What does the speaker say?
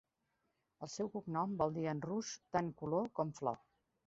El seu cognom vol dir en rus tant "color" com "flor".